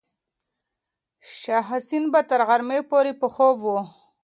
شاه حسین به تر غرمې پورې په خوب و.